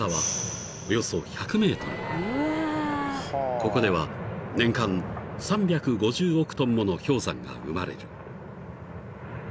［ここでは年間３５０億ｔもの氷山が生まれる］